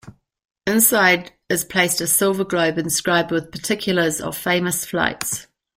Inside is placed a silver globe inscribed with particulars of famous flights.